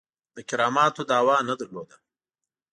د کراماتو دعوه نه درلوده.